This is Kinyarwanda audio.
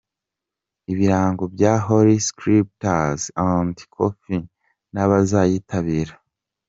Ibirango bya “Holy scriptures and Cofee” n’abazayitabira.